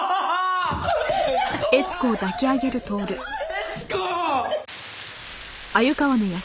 悦子！